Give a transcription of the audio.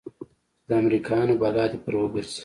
چې د امريکايانو بلا دې پر وګرځي.